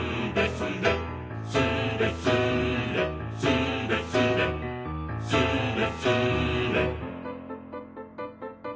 「スレスレスレスレ」「スレスレ」